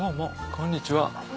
こんにちは。